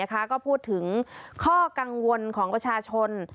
ก็พูดถึงข้อกังวลของประชาชน